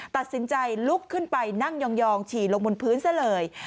ตัดสินใจลุกขึ้นไปนั่งยองฉี่ลงบนพื้นซะเลย